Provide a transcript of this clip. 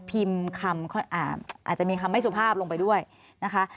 พิมพ์คำอาจจะมีคำไม่สุภาพลงไปด้วยนะคะ